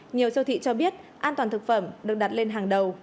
nhiều siêu thị cho biết an toàn thực phẩm được đặt lên hàng đầu